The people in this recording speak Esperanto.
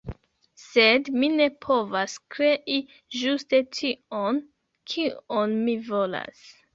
sed mi ne povas krei ĝuste tion, kion mi volas.